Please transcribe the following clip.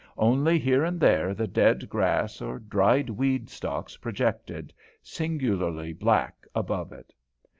Only here and there the dead grass or dried weed stalks projected, singularly black, above it.